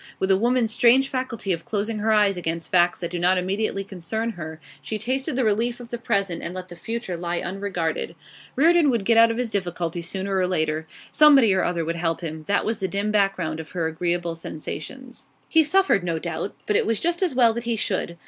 With a woman's strange faculty of closing her eyes against facts that do not immediately concern her, she tasted the relief of the present and let the future lie unregarded. Reardon would get out of his difficulties sooner or later; somebody or other would help him; that was the dim background of her agreeable sensations. He suffered, no doubt. But then it was just as well that he should.